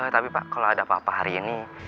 tapi pak kalau ada apa apa hari ini